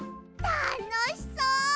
たのしそう！